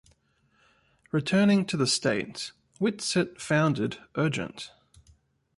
Returning to the States, Whitsett founded Urgent!